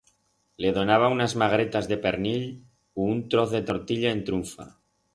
Le donaba unas magretas de pernill u un troz de tortilla en trunfa.